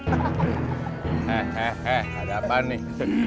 hehehe ada apa nih